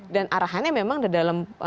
dan arahannya memang dalam